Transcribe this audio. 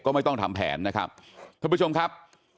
ก็ไม่ต้องทำแผนนะครับท่านผู้ชมครับ